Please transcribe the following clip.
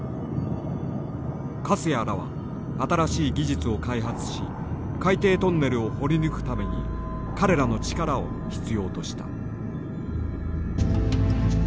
粕谷らは新しい技術を開発し海底トンネルを掘り抜くために彼らの力を必要とした。